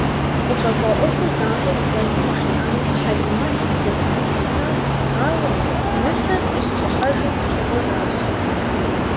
КъыщӀэкӀуа Ӏуэхур занщӀэу и дэлъхум жриӀэну Хьэлимэт и бзэгупэм къэсат, ауэ, нысэр къыщыщӀыхьэжым, щӀегъуэжащ.